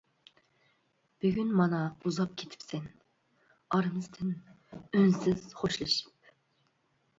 بۈگۈن مانا ئۇزاپ كېتىپسەن، ئارىمىزدىن ئۈنسىز خوشلىشىپ.